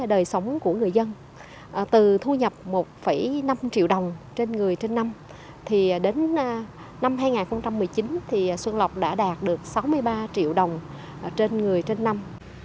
đời sống của người dân từ thu nhập một năm triệu đồng trên người trên năm thì đến năm hai nghìn một mươi chín thì xuân lộc đã đạt được sáu mươi ba triệu đồng trên người trên năm